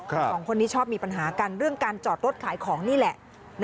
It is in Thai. สองคนนี้ชอบมีปัญหากันเรื่องการจอดรถขายของนี่แหละ